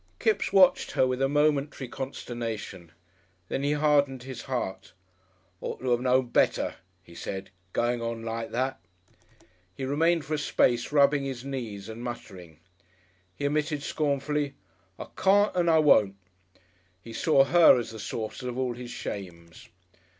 Kipps watched her with a momentary consternation. Then he hardened his heart. "Ought to 'ave known better," he said, "goin' on like that!" He remained for a space rubbing his knees and muttering. He emitted scornfully: "I carn't an' I won't." He saw her as the source of all his shames.